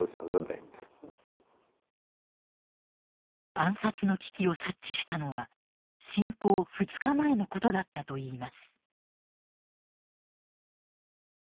暗殺の危機を察知したのは侵攻２日前のことだったといいます。